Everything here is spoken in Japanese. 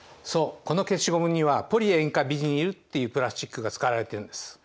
そうこの消しゴムにはポリ塩化ビニルっていうプラスチックが使われてるんです。